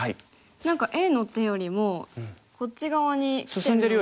何かＡの手よりもこっち側にきてる。